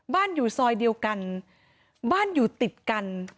อยู่ซอยเดียวกันบ้านอยู่ติดกัน